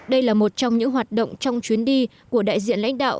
đây là một trong những hoạt động trong chuyến đi của đại diện lãnh đạo